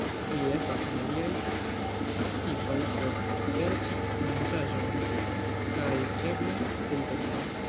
Ili estas familiaj, aktivaj por serĉi manĝaĵojn kaj eble teritoriaj.